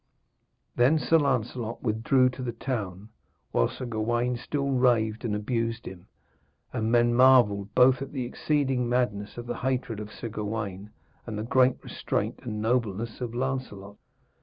Then Sir Lancelot withdrew to the town, while Sir Gawaine still raved and abused him, and men marvelled both at the exceeding madness of the hatred of Sir Gawaine and the great restraint and nobleness of Lancelot.